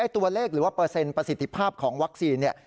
ตัวเลขหรือว่าเปอร์เซ็นต์ประสิทธิภาพของวัคซีน